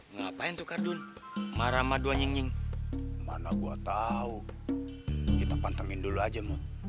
ngapain tuh kardun marah ma dua nyeng mana gua tahu kita pantangin dulu aja